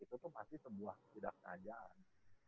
itu tuh pasti sebuah tidak sengajaan